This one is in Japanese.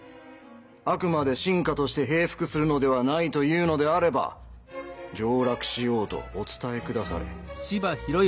あくまで臣下として平伏するのではないというのであれば上洛しようとお伝え下され。